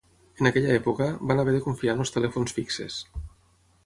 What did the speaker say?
En aquella època, van haver de confiar en els telèfons fixes.